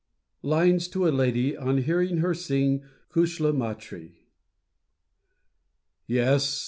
LINES TO A LADY, ON HEARING HER SING "CUSHLAMACHREE." Yes!